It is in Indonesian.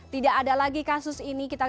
tidak ada lagi kasus ini kita